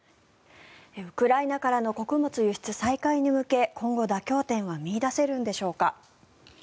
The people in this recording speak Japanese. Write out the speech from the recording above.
ウクライナからの穀物輸出再開に向け今後、妥協点は見いだせるんでしょうか。